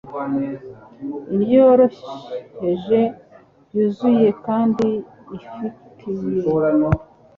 indyo yoroheje, yuzuye kandi ifitiye